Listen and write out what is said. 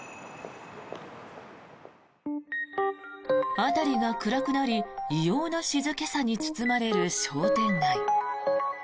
辺りが暗くなり異様な静けさに包まれる商店街。